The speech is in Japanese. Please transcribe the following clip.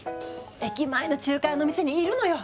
駅前の中華屋のお店にいるのよ